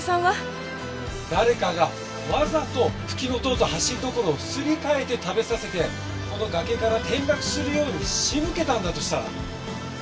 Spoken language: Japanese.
誰かがわざとフキノトウとハシリドコロをすり替えて食べさせてこの崖から転落するように仕向けたんだとしたら。